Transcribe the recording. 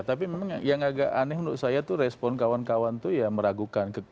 tapi memang yang agak aneh menurut saya itu respon kawan kawan itu ya meragukan